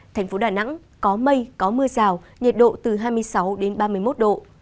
thành phố đà nẵng có mây có mưa rào nhiệt độ từ hai mươi sáu đến ba mươi một độ